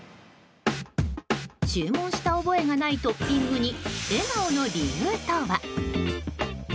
注文した覚えがないトッピングに、笑顔の理由とは？